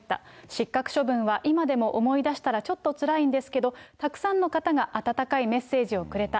失格処分は今でも思い出したらちょっとつらいんですけど、たくさんの方が温かいメッセージをくれた。